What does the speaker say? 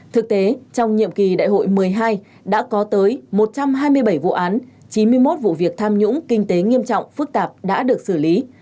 thực tế trong nhiệm kỳ đại hội một mươi hai đã có tới một trăm hai mươi bảy vụ án chín mươi một vụ việc tham nhũng kinh tế nghiêm trọng phức tạp đã được xử lý